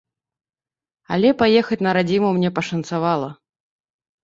Але паехаць на радзіму мне пашанцавала.